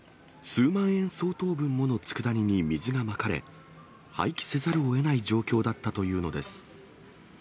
数万円相当分ものつくだ煮に水がまかれ、廃棄せざるをえない状況だったというのです。